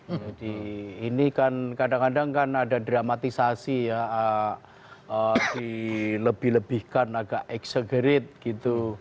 jadi ini kan kadang kadang ada dramatisasi ya dilebih lebihkan agak eksegerit gitu